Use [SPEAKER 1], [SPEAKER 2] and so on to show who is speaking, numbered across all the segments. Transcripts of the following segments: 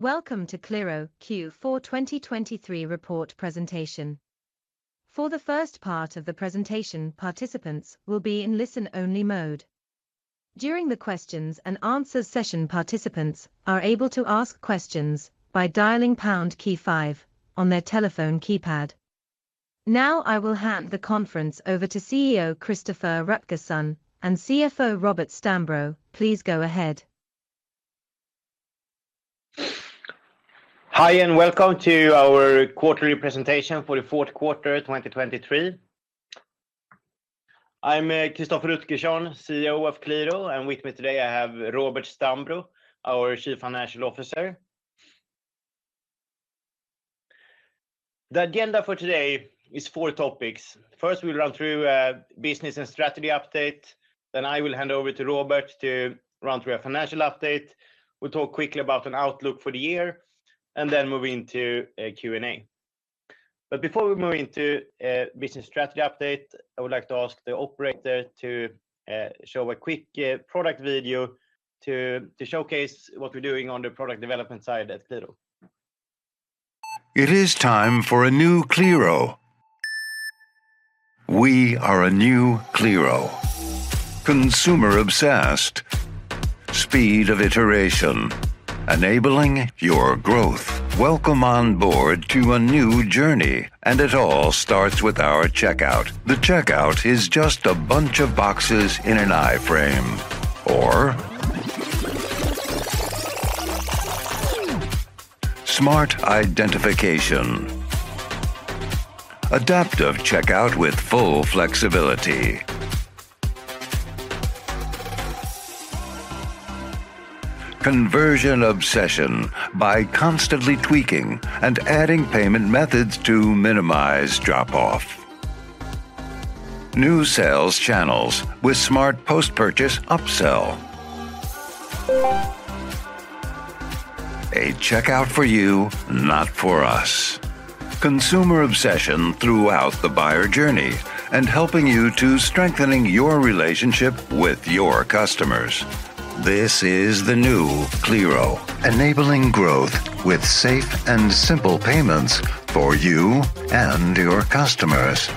[SPEAKER 1] Welcome to Qliro Q4 2023 report presentation. For the first part of the presentation, participants will be in listen-only mode. During the questions and answers session, participants are able to ask questions by dialing pound key five on their telephone keypad. Now, I will hand the conference over to CEO Christoffer Rutgersson and CFO Robert Ståhlbro. Please go ahead.
[SPEAKER 2] Hi, and welcome to our quarterly presentation for the fourth quarter, 2023. I'm Christoffer Rutgersson, CEO of Qliro, and with me today, I have Robert Ståhlbro, our Chief Financial Officer. The agenda for today is four topics. First, we'll run through business and strategy update, then I will hand over to Robert to run through a financial update. We'll talk quickly about an outlook for the year and then move into a Q&A. But before we move into business strategy update, I would like to ask the operator to show a quick product video to showcase what we're doing on the product development side at Qliro.
[SPEAKER 3] It is time for a new Qliro. We are a new Qliro. Consumer obsessed, speed of iteration, enabling your growth. Welcome on board to a new journey, and it all starts with our checkout. The checkout is just a bunch of boxes in an iframe or... smart identification. Adaptive checkout with full flexibility. Conversion obsession by constantly tweaking and adding payment methods to minimize drop-off. New sales channels with smart post-purchase upsell. A checkout for you, not for us. Consumer obsession throughout the buyer journey and helping you to strengthening your relationship with your customers. This is the new Qliro, enabling growth with safe and simple payments for you and your customers.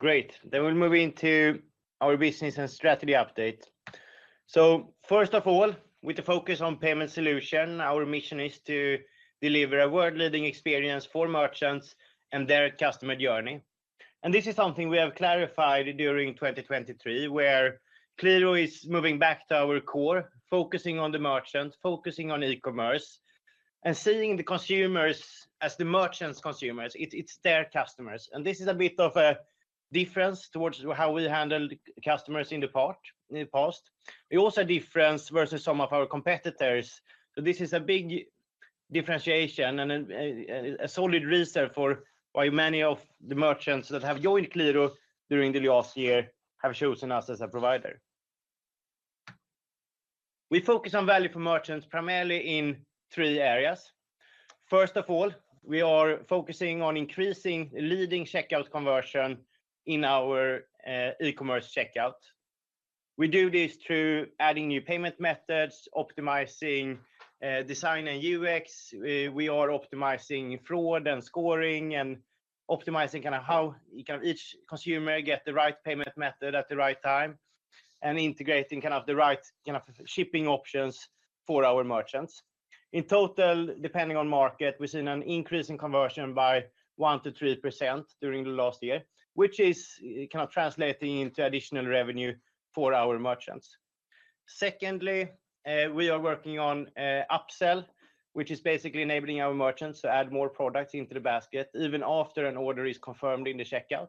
[SPEAKER 2] Great. Then we'll move into our business and strategy update. So first of all, with the focus on payment solution, our mission is to deliver a world-leading experience for merchants and their customer journey. This is something we have clarified during 2023, where Qliro is moving back to our core, focusing on the merchant, focusing on e-commerce, and seeing the consumers as the merchants' consumers. It's their customers, and this is a bit of a difference towards how we handle the customers in the part, in the past. It's also a difference versus some of our competitors. This is a big differentiation and a solid reason for why many of the merchants that have joined Qliro during the last year have chosen us as a provider. We focus on value for merchants, primarily in three areas. First of all, we are focusing on increasing leading checkout conversion in our e-commerce checkout. We do this through adding new payment methods, optimizing design and UX. We are optimizing fraud and scoring, and optimizing kinda how each consumer get the right payment method at the right time, and integrating kind of the right, kind of, shipping options for our merchants. In total, depending on market, we've seen an increase in conversion by 1%-3% during the last year, which is kind of translating into additional revenue for our merchants. Secondly, we are working on upsell, which is basically enabling our merchants to add more products into the basket even after an order is confirmed in the checkout.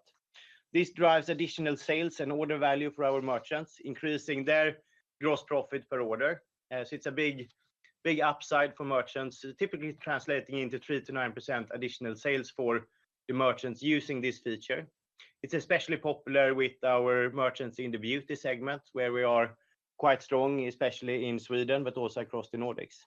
[SPEAKER 2] This drives additional sales and order value for our merchants, increasing their gross profit per order. So it's a big, big upside for merchants, typically translating into 3%-9% additional sales for the merchants using this feature. It's especially popular with our merchants in the beauty segment, where we are quite strong, especially in Sweden, but also across the Nordics.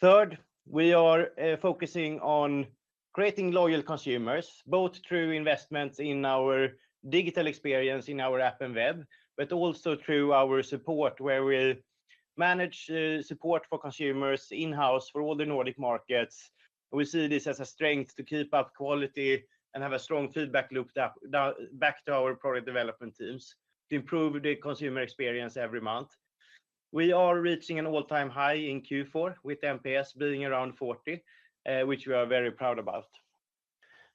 [SPEAKER 2] Third, we are focusing on creating loyal consumers, both through investments in our digital experience in our app and web, but also through our support, where we manage support for consumers in-house for all the Nordic markets. We see this as a strength to keep up quality and have a strong feedback loop back to our product development teams to improve the consumer experience every month. We are reaching an all-time high in Q4, with NPS being around 40, which we are very proud about.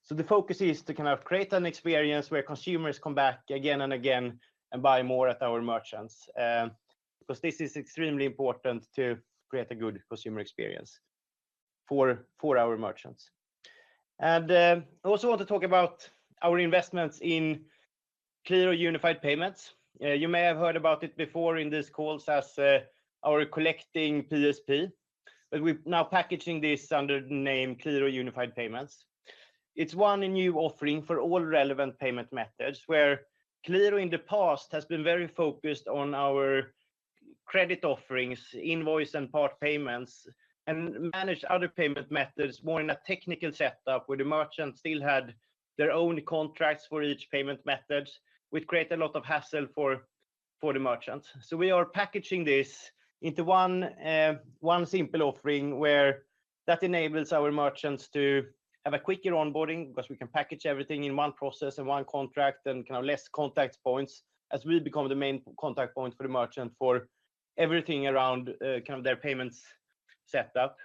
[SPEAKER 2] So the focus is to kind of create an experience where consumers come back again and again and buy more at our merchants, because this is extremely important to create a good consumer experience for our merchants. And I also want to talk about our investments in Qliro Unified Payments. You may have heard about it before in these calls as our collecting PSP, but we're now packaging this under the name Qliro Unified Payments. It's one new offering for all relevant payment methods, where Qliro in the past has been very focused on credit offerings, invoice and part payments, and manage other payment methods more in a technical setup, where the merchant still had their own contracts for each payment methods, which create a lot of hassle for our merchants. So we are packaging this into one simple offering, where that enables our merchants to have a quicker onboarding, because we can package everything in one process and one contract and kind of less contact points, as we become the main contact point for the merchant for everything around kind of their payments set up.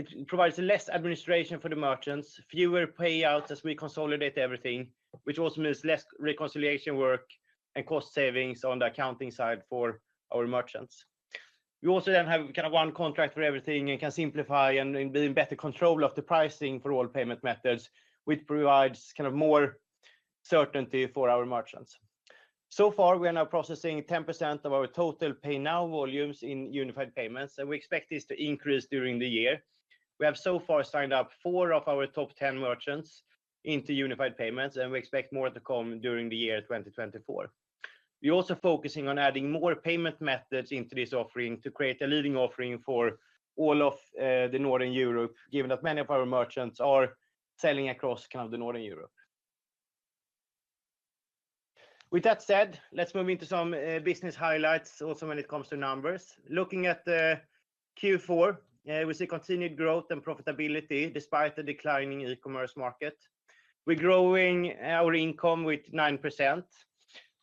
[SPEAKER 2] It provides less administration for the merchants, fewer payouts as we consolidate everything, which also means less reconciliation work and cost savings on the accounting side for our merchants. We also then have kind of one contract for everything and can simplify and be in better control of the pricing for all payment methods, which provides kind of more certainty for our merchants. So far, we are now processing 10% of our total Pay Now volumes in Unified Payments, and we expect this to increase during the year. We have so far signed up four of our top ten merchants into Unified Payments, and we expect more to come during the year 2024. We're also focusing on adding more payment methods into this offering to create a leading offering for all of the Northern Europe, given that many of our merchants are selling across kind of the Northern Europe. With that said, let's move into some business highlights also when it comes to numbers. Looking at the Q4, we see continued growth and profitability despite the declining e-commerce market. We're growing our income with 9%,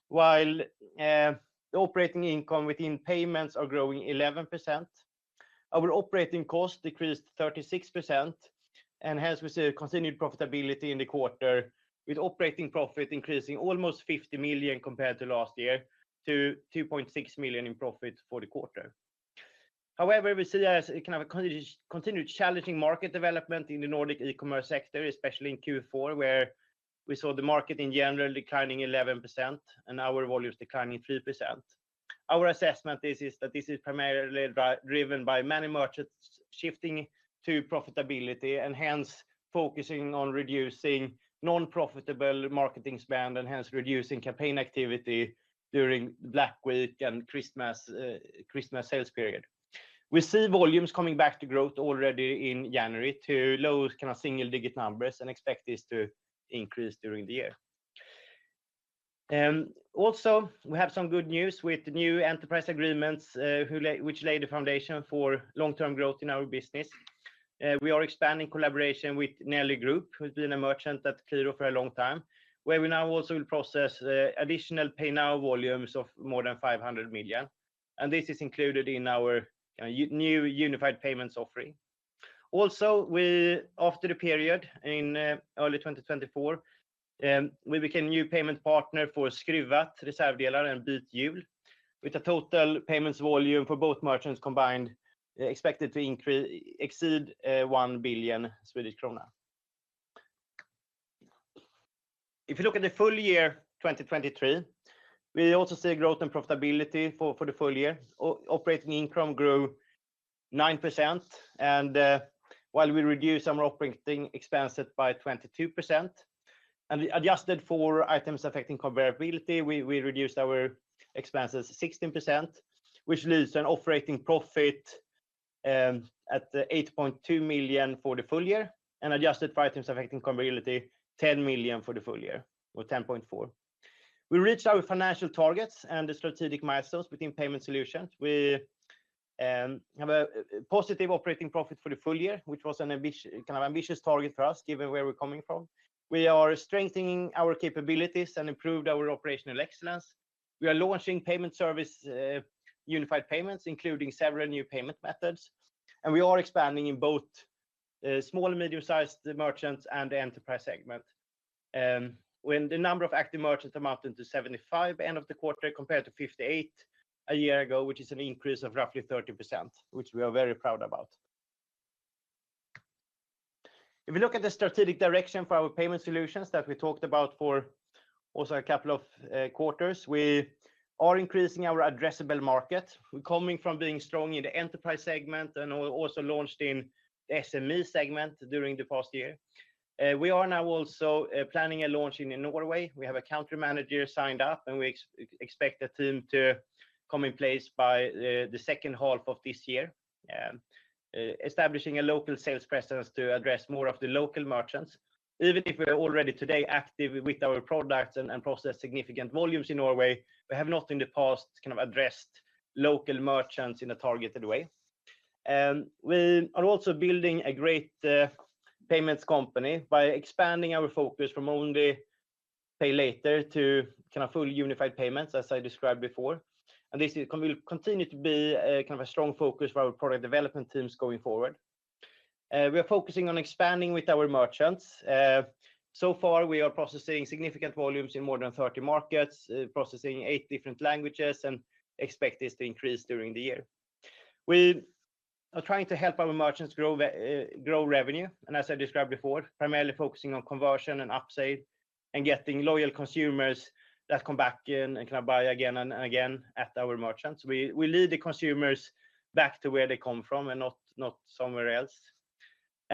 [SPEAKER 2] while the operating income within payments are growing 11%. Our operating cost decreased 36%, and hence we see a continued profitability in the quarter, with operating profit increasing almost 50 million compared to last year to 2.6 million in profit for the quarter. However, we see as kind of a continued challenging market development in the Nordic e-commerce sector, especially in Q4, where we saw the market in general declining 11% and our volumes declining 3%. Our assessment is that this is primarily driven by many merchants shifting to profitability and hence focusing on reducing non-profitable marketing spend and hence reducing campaign activity during Black Week and Christmas sales period. We see volumes coming back to growth already in January to low kind of single-digit numbers and expect this to increase during the year. Also, we have some good news with new enterprise agreements which lay the foundation for long-term growth in our business. We are expanding collaboration with Nelly Group, who's been a merchant at Qliro for a long time, where we now also will process additional Pay Now volumes of more than 500 million, and this is included in our new Unified Payments offering. Also, after the period in early 2024, we became a new payment partner for Skruvat Reservdelar and Bythjul, with a total payments volume for both merchants combined expected to exceed SEK 1 billion. If you look at the full year 2023, we also see a growth in profitability for the full year. O- operating income grew 9%, and while we reduce our operating expenses by 22%, and we adjusted for items affecting comparability, we reduced our expenses 16%, which leads to an operating profit at 8.2 million for the full year, and adjusted for items affecting comparability, 10 million for the full year, or 10.4. We reached our financial targets and the strategic milestones within Payment Solutions. We have a positive operating profit for the full year, which was a kind of ambitious target for us, given where we're coming from. We are strengthening our capabilities and improved our operational excellence. We are launching payment service Unified Payments, including several new payment methods, and we are expanding in both small and medium-sized merchants and the enterprise segment. When the number of active merchants amounted to 75 at end of the quarter, compared to 58 a year ago, which is an increase of roughly 30%, which we are very proud about. If we look at the strategic direction for our Payment Solutions that we talked about for also a couple of quarters, we are increasing our addressable market. We're coming from being strong in the enterprise segment and also launched in the SME segment during the past year. We are now also planning a launch in Norway. We have a country manager signed up, and we expect the team to come in place by the second half of this year. Establishing a local sales presence to address more of the local merchants, even if we are already today active with our products and process significant volumes in Norway, we have not in the past kind of addressed local merchants in a targeted way. We are also building a great payments company by expanding our focus from only Pay Later to kind of fully Unified Payments, as I described before. This will continue to be a kind of a strong focus for our product development teams going forward. We are focusing on expanding with our merchants. So far, we are processing significant volumes in more than 30 markets, processing 8 different languages and expect this to increase during the year. We are trying to help our merchants grow revenue, and as I described before, primarily focusing on conversion and upsell and getting loyal consumers that come back in and kind of buy again and again at our merchants. We lead the consumers back to where they come from and not somewhere else....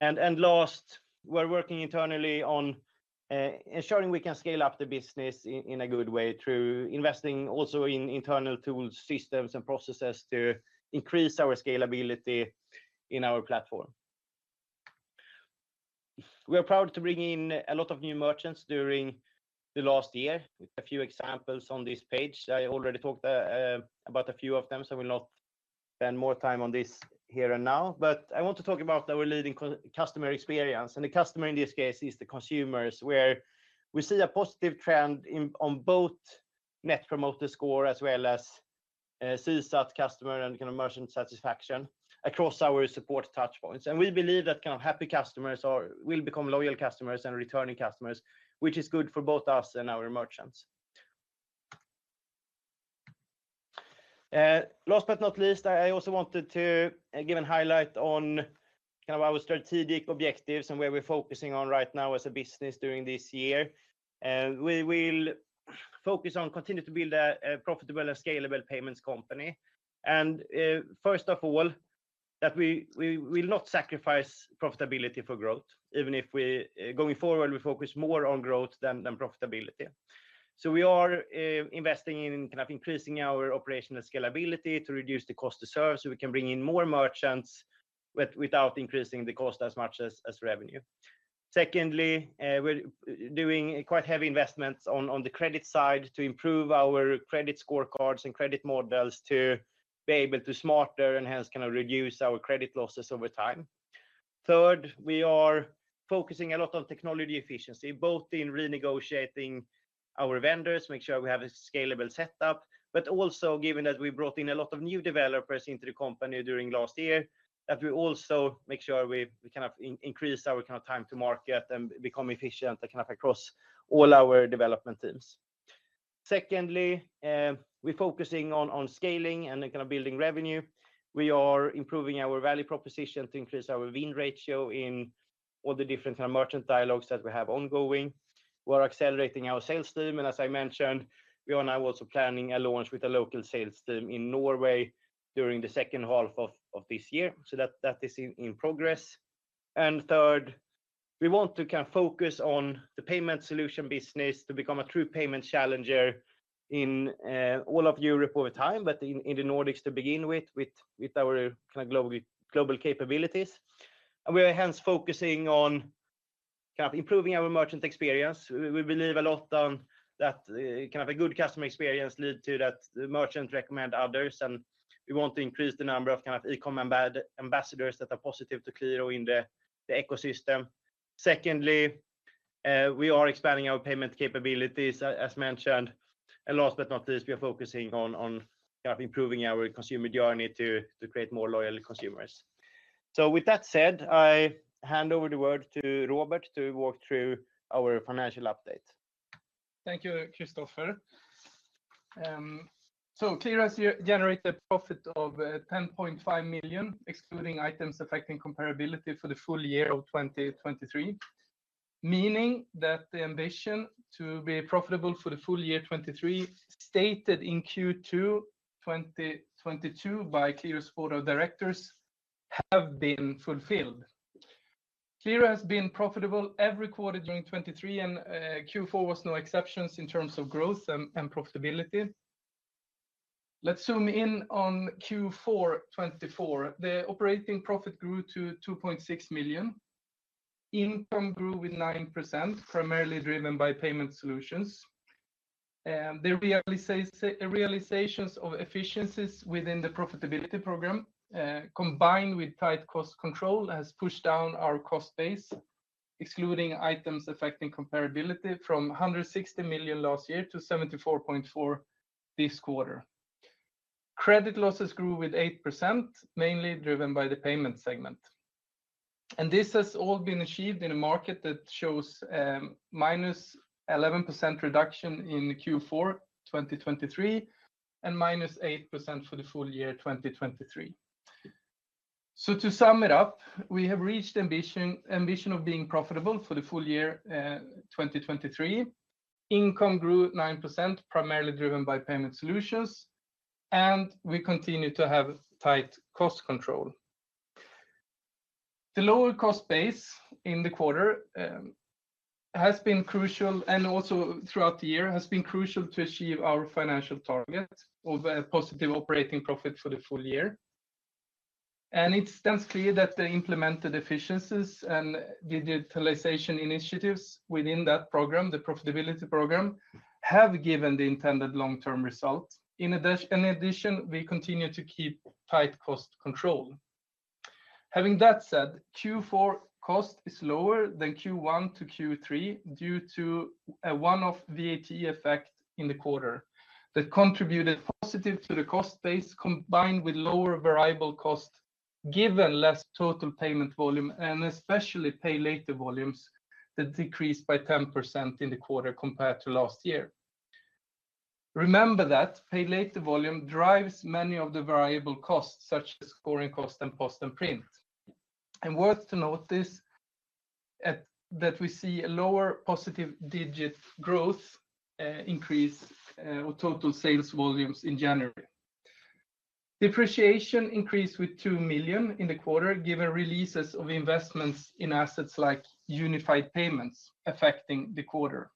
[SPEAKER 2] And last, we're working internally on ensuring we can scale up the business in a good way through investing also in internal tools, systems, and processes to increase our scalability in our platform. We are proud to bring in a lot of new merchants during the last year, with a few examples on this page. I already talked about a few of them, so I will not spend more time on this here and now. But I want to talk about our leading customer experience, and the customer in this case is the consumers, where we see a positive trend in on both Net Promoter Score, as well as, CSAT, customer and kind of merchant satisfaction across our support touch points. And we believe that kind of happy customers will become loyal customers and returning customers, which is good for both us and our merchants. Last but not least, I also wanted to give a highlight on kind of our strategic objectives and where we're focusing on right now as a business during this year. We will focus on continuing to build a profitable and scalable payments company, and first of all, that we will not sacrifice profitability for growth, even if, going forward, we focus more on growth than profitability. So we are investing in kind of increasing our operational scalability to reduce the cost to serve, so we can bring in more merchants, but without increasing the cost as much as revenue. Secondly, we're doing quite heavy investments on the credit side to improve our credit scorecards and credit models to be able to smarter and hence, kind of reduce our credit losses over time. Third, we are focusing a lot on technology efficiency, both in renegotiating our vendors, make sure we have a scalable setup, but also, given that we brought in a lot of new developers into the company during last year, that we also make sure we increase our time to market and become efficient, kind of across all our development teams. Secondly, we're focusing on scaling and kind of building revenue. We are improving our value proposition to increase our win ratio in all the different kind of merchant dialogues that we have ongoing. We're accelerating our sales team, and as I mentioned, we are now also planning a launch with a local sales team in Norway during the second half of this year. So that is in progress. And third, we want to kind of focus on the payment solution business to become a true payment challenger in all of Europe over time, but in the Nordics to begin with, with our kind of global capabilities. And we are hence focusing on kind of improving our merchant experience. We believe a lot on that, kind of a good customer experience lead to that the merchant recommend others, and we want to increase the number of kind of eCom ambassadors that are positive to Qliro in the ecosystem. Secondly, we are expanding our payment capabilities, as mentioned. And last but not least, we are focusing on kind of improving our consumer journey to create more loyal consumers. So with that said, I hand over the word to Robert to walk through our financial update.
[SPEAKER 4] Thank you, Christoffer. So Qliro has generated profit of 10.5 million, excluding items affecting comparability for the full year of 2023, meaning that the ambition to be profitable for the full year 2023, stated in Q2 2022 by Qliro's board of directors, have been fulfilled. Qliro has been profitable every quarter during 2023, and Q4 was no exceptions in terms of growth and profitability. Let's zoom in on Q4 2024. The operating profit grew to 2.6 million. Income grew with 9%, primarily driven by Payment Solutions. The realizations of efficiencies within the profitability program, combined with tight cost control, has pushed down our cost base, excluding items affecting comparability from 160 million last year to 74.4 million this quarter. Credit losses grew with 8%, mainly driven by the payment segment. This has all been achieved in a market that shows -11% reduction in Q4 2023 and -8% for the full year 2023. To sum it up, we have reached the ambition of being profitable for the full year 2023. Income grew 9%, primarily driven by Payment Solutions, and we continue to have tight cost control. The lower cost base in the quarter has been crucial, and also throughout the year, has been crucial to achieve our financial target of a positive operating profit for the full year. It stands clear that the implemented efficiencies and digitalization initiatives within that program, the profitability program, have given the intended long-term results. In addition, we continue to keep tight cost control. Having that said, Q4 cost is lower than Q1 to Q3 due to a one-off VAT effect in the quarter that contributed positive to the cost base, combined with lower variable cost, given less total payment volume, and especially Pay Later volumes that decreased by 10% in the quarter compared to last year. Remember that Pay Later volume drives many of the variable costs, such as scoring cost and post and print. And worth to notice, that we see a lower positive digit growth, increase, on total sales volumes in January. Depreciation increased with 2 million in the quarter, given releases of investments in assets like Unified Payments affecting the quarter.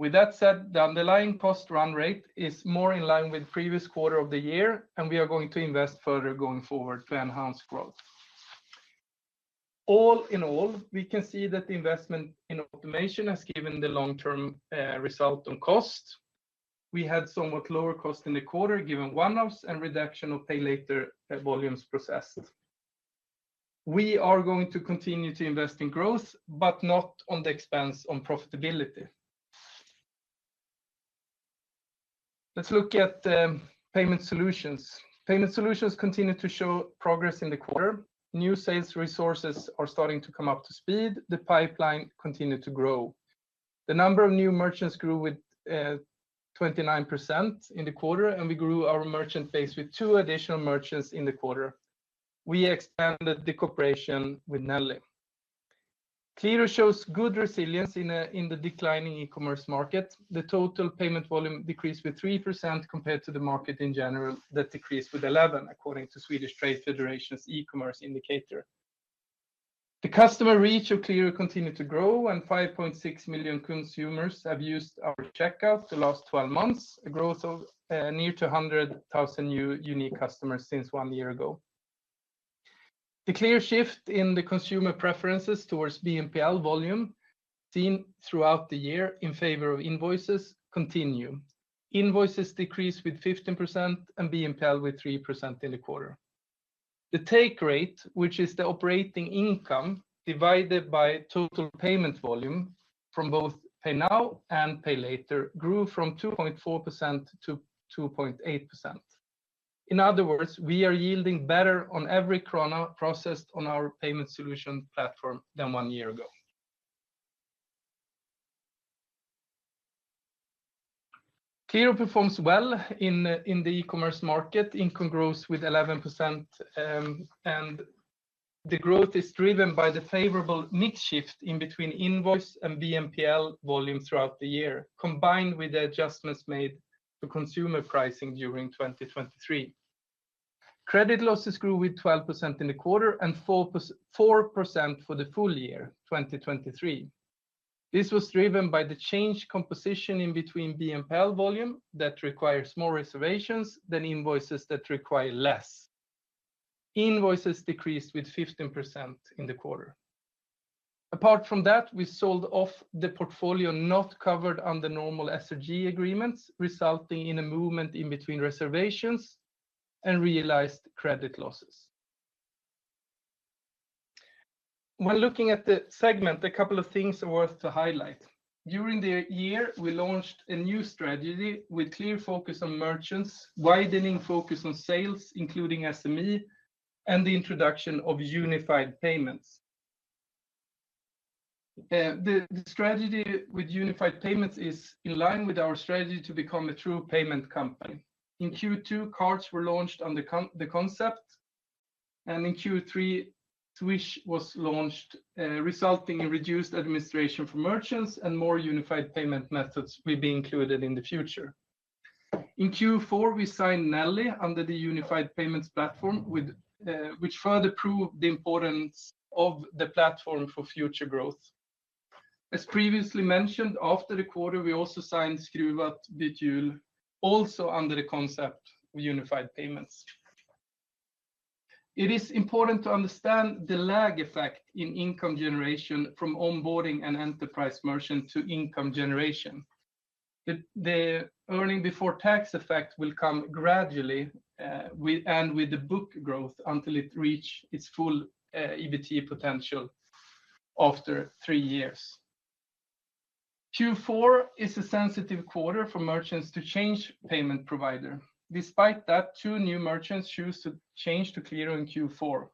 [SPEAKER 4] With that said, the underlying cost run rate is more in line with previous quarter of the year, and we are going to invest further going forward to enhance growth. All in all, we can see that the investment in automation has given the long-term result on cost. We had somewhat lower cost in the quarter, given one-offs and reduction of Pay Later volumes processed. We are going to continue to invest in growth, but not on the expense on profitability. Let's look at Payment Solutions. Payment Solutions continue to show progress in the quarter. New sales resources are starting to come up to speed, the pipeline continued to grow. The number of new merchants grew with 29% in the quarter, and we grew our merchant base with two additional merchants in the quarter. We expanded the cooperation with Nelly. Qliro shows good resilience in the declining e-commerce market. The total payment volume decreased with 3% compared to the market in general, that decreased with 11%, according to Swedish Trade Federation's e-commerce indicator. The customer reach of Qliro continued to grow, and 5.6 million consumers have used our checkout the last 12 months, a growth of nearly 100,000 new unique customers since 1 year ago. The clear shift in the consumer preferences towards BNPL volume, seen throughout the year in favor of invoices, continue. Invoices decreased with 15% and BNPL with 3% in the quarter. The take rate, which is the operating income divided by total payment volume from both Pay Now and Pay Later, grew from 2.4% to 2.8%. In other words, we are yielding better on every krona processed on our payment solution platform than 1 year ago. Qliro performs well in, in the e-commerce market. Income grows with 11%, and the growth is driven by the favorable mix shift in between invoice and BNPL volume throughout the year, combined with the adjustments made to consumer pricing during 2023. Credit losses grew with 12% in the quarter and 4% for the full year, 2023. This was driven by the change composition in between BNPL volume that requires more reservations than invoices that require less. Invoices decreased with 15% in the quarter. Apart from that, we sold off the portfolio not covered under normal SRG agreements, resulting in a movement in between reservations and realized credit losses. When looking at the segment, a couple of things are worth to highlight. During the year, we launched a new strategy with clear focus on merchants, widening focus on sales, including SME, and the introduction of Unified Payments. The strategy with Unified Payments is in line with our strategy to become a true payment company. In Q2, cards were launched on the concept, and in Q3, Swish was launched, resulting in reduced administration for merchants and more unified payment methods will be included in the future. In Q4, we signed Nelly under the Unified Payments platform, which further proved the importance of the platform for future growth. As previously mentioned, after the quarter, we also signed Skruvat, Bythjul, also under the concept of Unified Payments. It is important to understand the lag effect in income generation from onboarding an enterprise merchant to income generation. The earnings before tax effect will come gradually, with, and with the book growth until it reach its full, EBT potential after three years. Q4 is a sensitive quarter for merchants to change payment provider. Despite that, two new merchants choose to change to Qliro in Q4.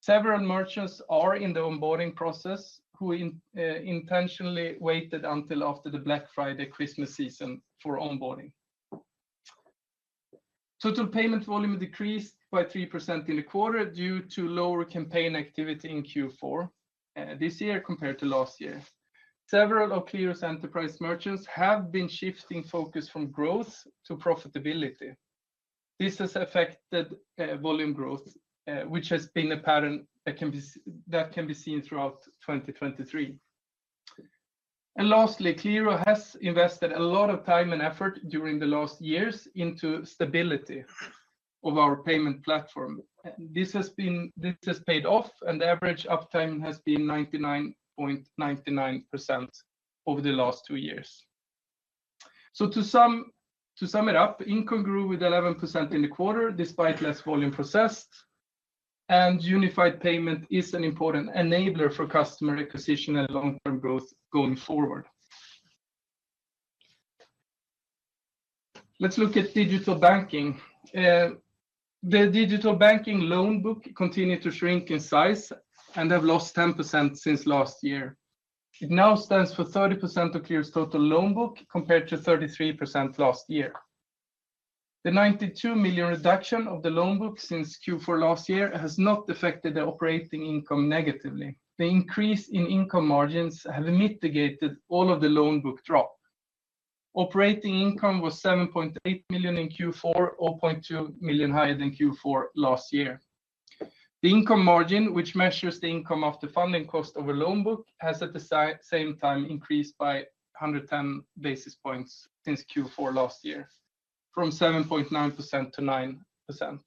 [SPEAKER 4] Several merchants are in the onboarding process, who intentionally waited until after the Black Friday Christmas season for onboarding. Total payment volume decreased by 3% in the quarter due to lower campaign activity in Q4, this year compared to last year. Several of Qliro's enterprise merchants have been shifting focus from growth to profitability. This has affected, volume growth, which has been a pattern that can be seen throughout 2023. Lastly, Qliro has invested a lot of time and effort during the last years into stability of our payment platform. This has been, this has paid off, and the average uptime has been 99.99% over the last two years. So to sum, to sum it up, income grew with 11% in the quarter, despite less volume processed, and Unified Payments is an important enabler for customer acquisition and long-term growth going forward. Let's look at Digital Banking. The Digital Banking loan book continued to shrink in size and have lost 10% since last year. It now stands for 30% of Qliro's total loan book, compared to 33% last year. The 92 million reduction of the loan book since Q4 last year has not affected the operating income negatively. The increase in income margins have mitigated all of the loan book drop. Operating income was 7.8 million in Q4, or 0.2 million higher than Q4 last year. The income margin, which measures the income of the funding cost of a loan book, has at the same time increased by 110 basis points since Q4 last year, from 7.9% to 9%.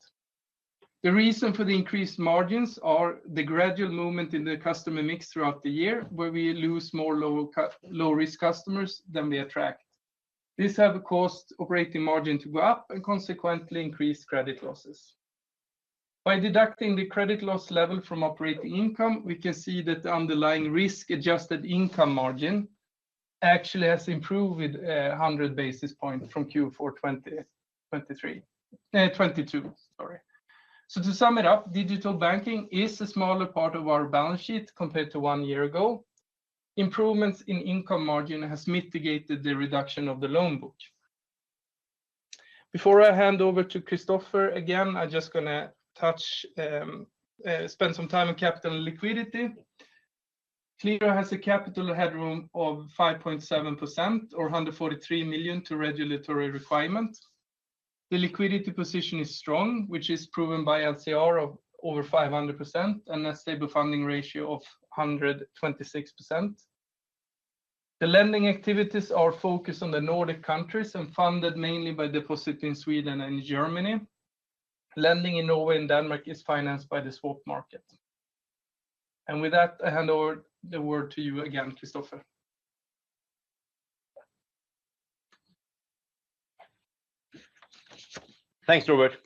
[SPEAKER 4] The reason for the increased margins are the gradual movement in the customer mix throughout the year, where we lose more low-risk customers than we attract. This have caused operating margin to go up and consequently increased credit losses. By deducting the credit loss level from operating income, we can see that the underlying risk-adjusted income margin actually has improved with, 100 basis points from Q4 twenty, twenty-three, twenty-two, sorry. To sum it up, Digital Banking is a smaller part of our balance sheet compared to one year ago. Improvements in income margin has mitigated the reduction of the loan book. Before I hand over to Christoffer, again, I just gonna touch, spend some time on capital and liquidity. Qliro has a capital headroom of 5.7% or 143 million to regulatory requirements. The liquidity position is strong, which is proven by LCR of over 500% and a stable funding ratio of 126%. The lending activities are focused on the Nordic countries and funded mainly by deposit in Sweden and Germany. Lending in Norway and Denmark is financed by the swap market. With that, I hand over the word to you again, Christoffer.
[SPEAKER 2] Thanks, Robert.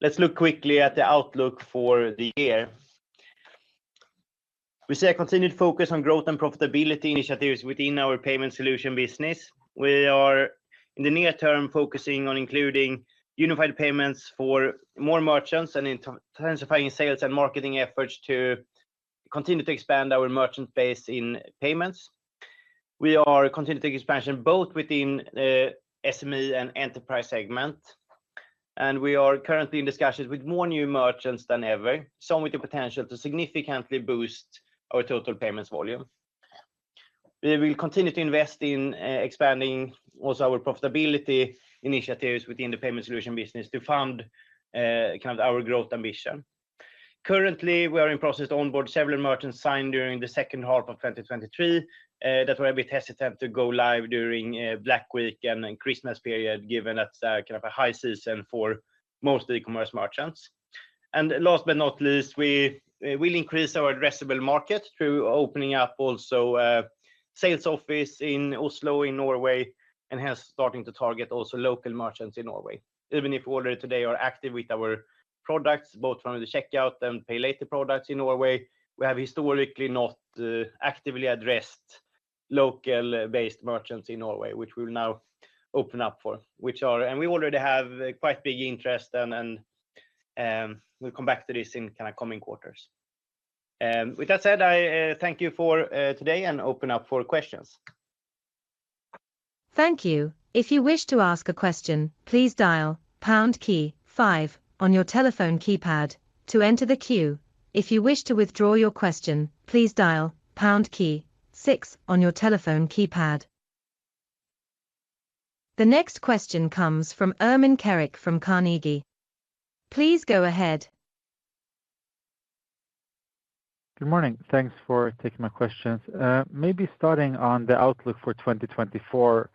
[SPEAKER 2] Let's look quickly at the outlook for the year. We see a continued focus on growth and profitability initiatives within our payment solution business. We are, in the near term, focusing on including Unified Payments for more merchants and in intensifying sales and marketing efforts to continue to expand our merchant base in payments. We are continuing expansion both within SME and enterprise segment, and we are currently in discussions with more new merchants than ever, some with the potential to significantly boost our total payments volume. We will continue to invest in expanding also our profitability initiatives within the payment solution business to fund kind of our growth ambition. Currently, we are in process to onboard several merchants signed during the second half of 2023, that were a bit hesitant to go live during Black Week and Christmas period, given that's kind of a high season for most e-commerce merchants. Last but not least, we will increase our addressable market through opening up also sales office in Oslo, in Norway, and hence, starting to target also local merchants in Norway. Even if already today are active with our products, both from the Checkout and Pay Later products in Norway, we have historically not actively addressed local-based merchants in Norway, which we will now open up for, and we already have quite big interest and we'll come back to this in kind of coming quarters. With that said, I thank you for today and open up for questions.
[SPEAKER 1] Thank you. If you wish to ask a question, please dial pound key five on your telephone keypad to enter the queue. If you wish to withdraw your question, please dial pound key six on your telephone keypad. The next question comes from Ermin Keric from Carnegie. Please go ahead.
[SPEAKER 5] Good morning. Thanks for taking my questions. Maybe starting on the outlook for 2024,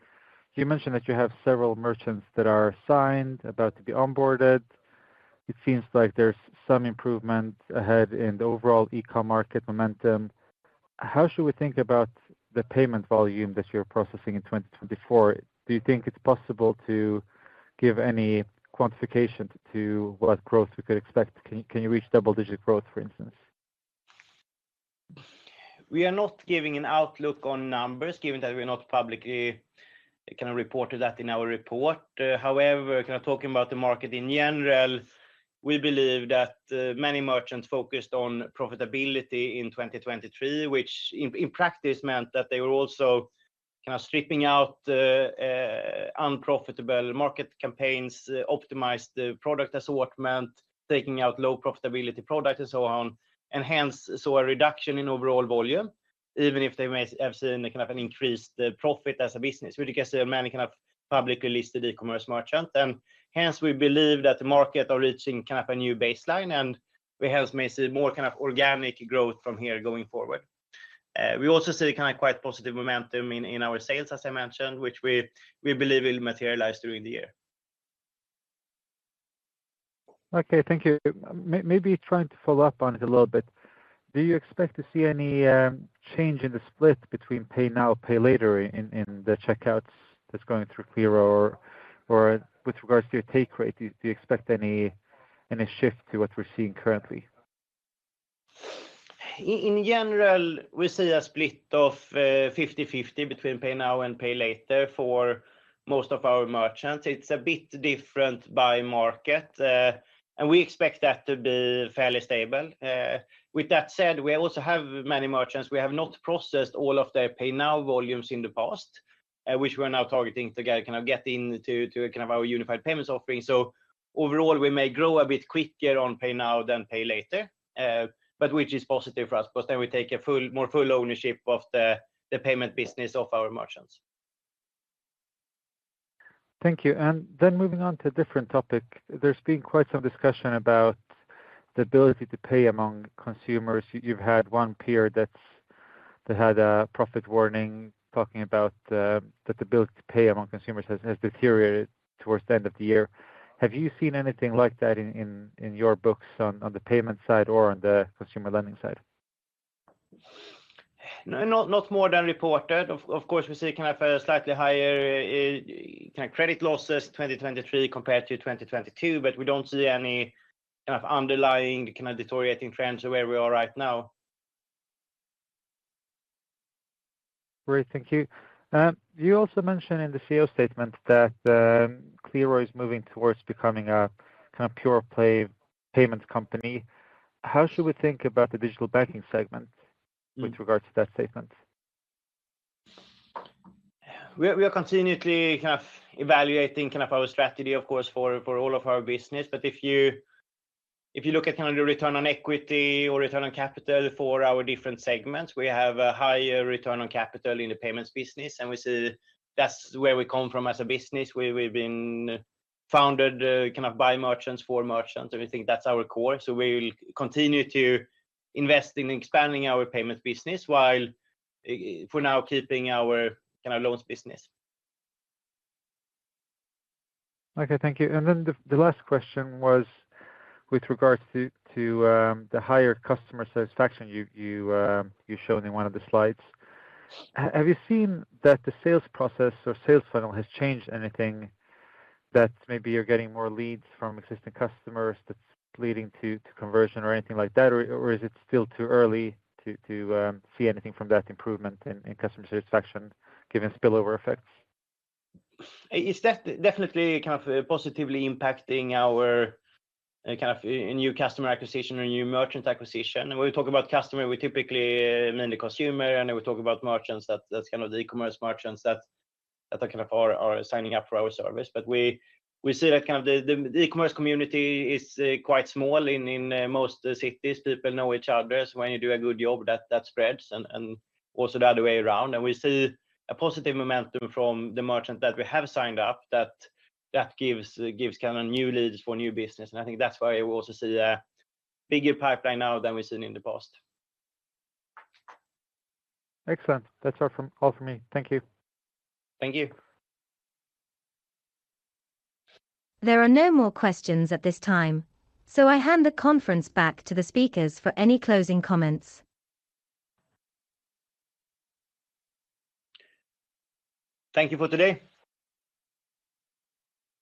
[SPEAKER 5] you mentioned that you have several merchants that are signed, about to be onboarded. It seems like there's some improvement ahead in the overall e-com market momentum. How should we think about the payment volume that you're processing in 2024? Do you think it's possible to give any quantification to what growth we could expect? Can you reach double-digit growth, for instance?
[SPEAKER 2] We are not giving an outlook on numbers, given that we're not publicly, kind of, reported that in our report. However, kind of talking about the market in general, we believe that many merchants focused on profitability in 2023, which in, in practice, meant that they were also kind of stripping out unprofitable market campaigns, optimized the product assortment, taking out low profitability product and so on, and hence, saw a reduction in overall volume, even if they may have seen a kind of an increased profit as a business. We can see many, kind of, publicly listed e-commerce merchant, and hence we believe that the market are reaching kind of a new baseline, and we hence may see more kind of organic growth from here going forward. We also see kind of quite positive momentum in our sales, as I mentioned, which we believe will materialize during the year.
[SPEAKER 5] Okay, thank you. Maybe trying to follow up on it a little bit, do you expect to see any change in the split between Pay Now, Pay Later in the checkouts that's going through Qliro or with regards to your Take Rate, do you expect any shift to what we're seeing currently?
[SPEAKER 2] In general, we see a split of 50/50 between Pay Now and Pay Later for most of our merchants. It's a bit different by market, and we expect that to be fairly stable. With that said, we also have many merchants we have not processed all of their Pay Now volumes in the past, which we're now targeting to get, kind of, get into, to, kind of, our Unified Payments offering. So overall, we may grow a bit quicker on Pay Now than Pay Later, but which is positive for us, because then we take a full, more full ownership of the payment business of our merchants.
[SPEAKER 5] Thank you. Then moving on to a different topic. There's been quite some discussion about the ability to pay among consumers. You've had one peer that had a profit warning, talking about that the ability to pay among consumers has deteriorated towards the end of the year. Have you seen anything like that in your books on the payment side or on the consumer lending side?
[SPEAKER 2] No, not more than reported. Of course, we see kind of a slightly higher kind of credit losses in 2023 compared to 2022, but we don't see any kind of underlying kind of deteriorating trends where we are right now.
[SPEAKER 5] Great. Thank you. You also mentioned in the CEO statement that Qliro is moving towards becoming a kind of pure play payments company. How should we think about the Digital Banking segment with regard to that statement?
[SPEAKER 2] We are continuously kind of evaluating kind of our strategy, of course, for all of our business. But if you look at kind of the return on equity or return on capital for our different segments, we have a higher return on capital in the payments business, and we see that's where we come from as a business, where we've been founded, kind of, by merchants, for merchants, and we think that's our core. So we will continue to invest in expanding our payments business while, for now, keeping our, kind of, loans business.
[SPEAKER 5] Okay. Thank you. And then the last question was with regards to the higher customer satisfaction you showed in one of the slides. Have you seen that the sales process or sales funnel has changed anything that maybe you're getting more leads from existing customers that's leading to conversion or anything like that? Or is it still too early to see anything from that improvement in customer satisfaction, given spillover effects?
[SPEAKER 2] It's definitely kind of positively impacting our, kind of, new customer acquisition or new merchant acquisition. When we talk about customer, we typically mean the consumer, and then we talk about merchants, that's kind of the e-commerce merchants that are kind of signing up for our service. But we see that kind of the e-commerce community is quite small in most cities. People know each other, so when you do a good job, that spreads, and also the other way around. And we see a positive momentum from the merchant that we have signed up, that gives kind of new leads for new business, and I think that's why we also see a bigger pipeline now than we've seen in the past.
[SPEAKER 5] Excellent. That's all from me. Thank you.
[SPEAKER 2] Thank you.
[SPEAKER 1] There are no more questions at this time, so I hand the conference back to the speakers for any closing comments.
[SPEAKER 2] Thank you for today!